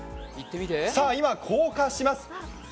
さぁ、今、降下します。